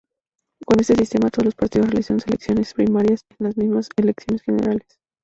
Con este sistema, todos los partidos realizan elecciones primarias en las mismas elecciones generales.